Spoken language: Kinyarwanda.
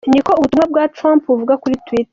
ni ko ubutumwa bwa Trump buvuga kuri Twitter.